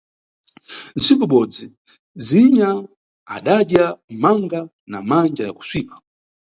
Ntsiku ibodzi Zinya adadya manga na manja ya kusvipa.